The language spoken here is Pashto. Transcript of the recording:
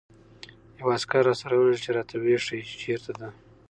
یو عسکر راسره ولېږه چې را يې ښيي، چې چېرته ده.